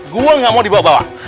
gue gak mau dibawa bawa